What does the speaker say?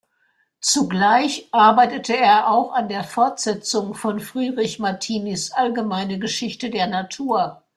Zugleich arbeitete er auch an der Fortsetzung von Friedrich Martinis „Allgemeine Geschichte der Natur“.